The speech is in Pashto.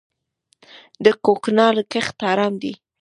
د کوکنارو کښت حرام دی؟